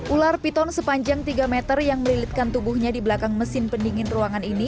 ular piton sepanjang tiga meter yang melilitkan tubuhnya di belakang mesin pendingin ruangan ini